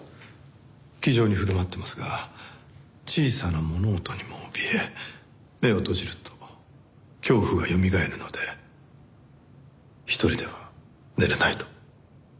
気丈に振る舞ってますが小さな物音にもおびえ目を閉じると恐怖がよみがえるので一人では寝れないと。